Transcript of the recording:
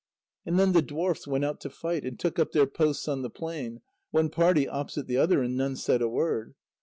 And then the dwarfs went out to fight, and took up their posts on the plain, one party opposite the other, and none said a word.